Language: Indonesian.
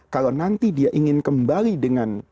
kalau nanti dia ingin kembali dengan